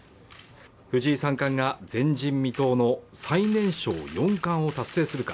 藤井三冠が前人未到の最年少四冠を達成するか